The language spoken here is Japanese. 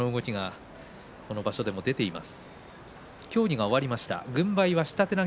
この場所でも出ています。